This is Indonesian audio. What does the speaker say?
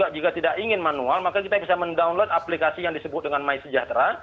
jika tidak ingin manual maka kita bisa mendownload aplikasi yang disebut dengan my sejahtera